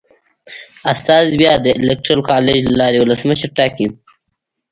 استازي بیا د الېکترال کالج له لارې ولسمشر ټاکي.